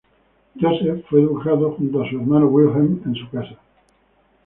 Joseph fue educado junto a su hermano Wilhelm en su casa.